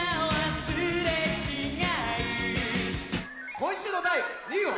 今週の第２位は。